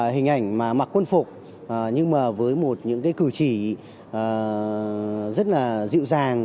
hình ảnh mà mặc quân phục nhưng mà với một những cái cử chỉ rất là dịu dàng